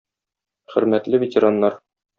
Хөрмәтле ветераннар!